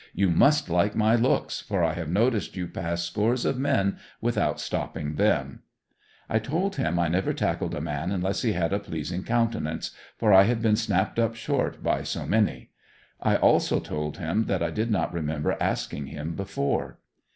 You must like my looks, for I have noticed you pass scores of men without stopping them." I told him I never tackled a man unless he had a pleasing countenance, for I had been snapped up short by so many; I also told him that I did not remember asking him before.